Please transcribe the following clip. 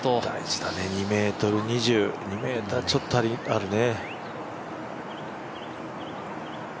大事だね、２ｍ２０、２ｍちょっとあるね。